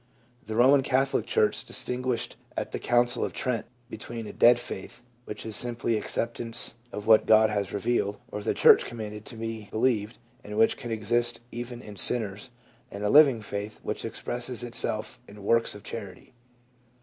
The Eoman Catholic church distinguished at the Council of Trent between a dead faith, which is simply acceptance of what God has revealed, or the church commanded to be be lieved, and which can exist even in sinners, and a living faith, which expresses itself in works of charity.